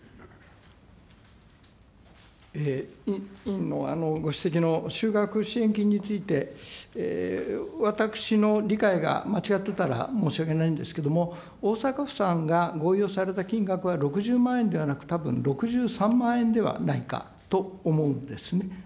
委員のご指摘の、就学支援金について、私の理解が間違ってたら申し訳ないんですけれども、大阪府さんが合意をされた金額は６０万円ではなく、たぶん６３万円ではないかと思うんですね。